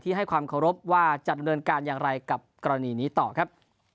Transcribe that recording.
ให้ความเคารพว่าจะดำเนินการอย่างไรกับกรณีนี้ต่อครับ